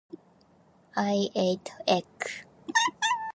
I ate egg.